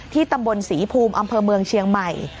ที่ตำบลสีพุมอำเภอเมืองเชียงใหม่